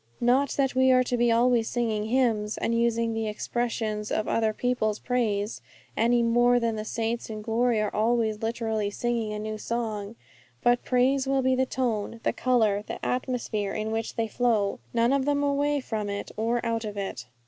Not that we are to be always singing hymns, and using the expressions of other people's praise, any more than the saints in glory are always literally singing a new song. But praise will be the tone, the colour, the atmosphere in which they flow; none of them away from it or out of it.